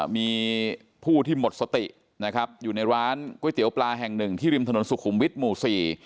มีผู้ที่หมดสตินะครับอยู่ในร้านก๋วยเตี๋ยวปลาแห่งหนึ่งที่ริมถนนสุขุมวิทย์หมู่สี่